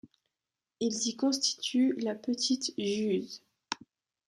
Ils y constituent la petite jüz.